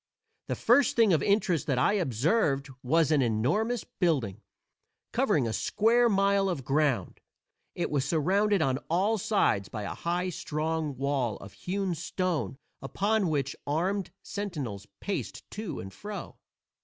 The first thing of interest that I observed was an enormous building, covering a square mile of ground. It was surrounded on all sides by a high, strong wall of hewn stone upon which armed sentinels paced to and fro.